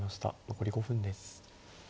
残り５分です。